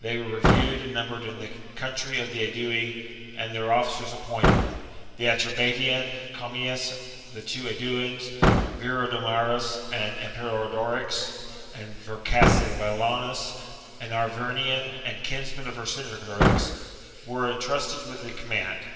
They were reviewed and num bered in the country of the Aedui, and their officers appointed. The Atrebatian, Commius, the two Aeduans, Viridomarus and Eporedorix, and Vercassivellaunus, an Arvernian and kinsman of Vercingetorix, were entrusted with the com mand.